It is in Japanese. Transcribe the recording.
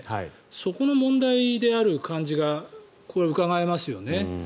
そこの問題である感じがうかがえますよね。